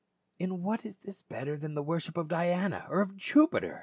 In what is this better than the worship of Diana or of Jupiter